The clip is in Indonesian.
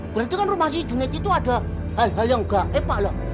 berarti rumah si junet itu ada hal hal yang tidak baik pak